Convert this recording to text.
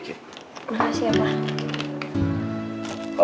makasih ya pak